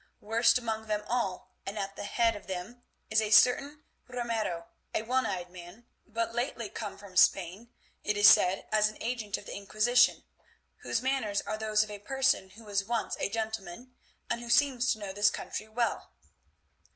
Worst among them all, and at the head of them, is a certain Ramiro, a one eyed man, but lately come from Spain, it is said as an agent of the Inquisition, whose manners are those of a person who was once a gentleman, and who seems to know this country well.